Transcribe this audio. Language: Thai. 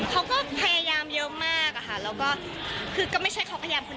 เขาก็พยายามเยอะมากครับแล้วก็คือก็ไม่ใช่ก็พยายามคนเดียวพีค